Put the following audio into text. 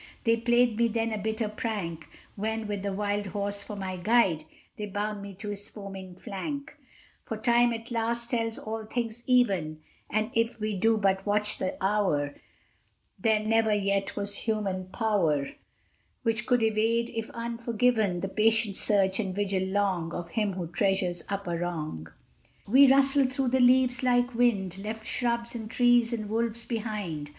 They played me then a bitter prank, When, with the wild horse for my guide, They bound me to his foaming flank: At length I played them one as frank For time at last sets all things even And if we do but watch the hour, There never yet was human power Which could evade, if unforgiven, The patient search and vigil long Of him who treasures up a wrong. ....... We rustled through the leaves like wind, Left shrubs, and trees, and wolves behind.